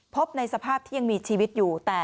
พบในสภาพที่ยังมีชีวิตอยู่